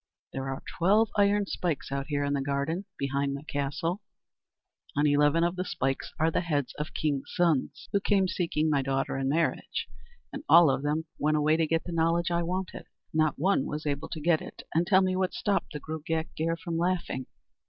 There are twelve iron spikes out here in the garden behind my castle. On eleven of the spikes are the heads of kings' sons who came seeking my daughter in marriage, and all of them went away to get the knowledge I wanted. Not one was able to get it and tell me what stopped the Gruagach Gaire from laughing.